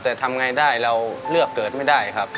แต่ทำไงได้เราเลือกเกิดไม่ได้ครับ